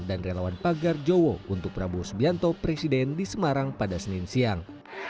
dan relawan pagar jowo untuk prabowo sbianto presiden di semarang pada senin siang